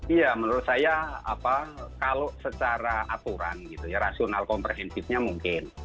iya menurut saya kalau secara aturan rasional komprehensifnya mungkin